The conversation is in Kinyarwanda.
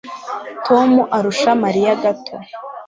Tom arusha Mariya gato